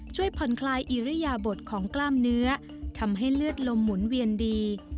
ช่วยผ่อนคลายอิริยบทของกล้ามเนื้อทำให้เลือดลมหมุนเวียนดี